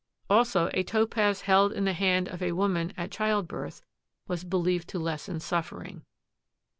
Also a Topaz held in the hand of a woman at childbirth was believed to lessen suffering.